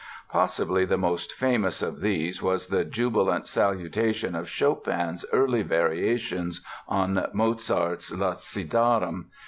Possibly the most famous of these was the jubilant salutation of Chopin's early Variations on Mozart's "La ci darem".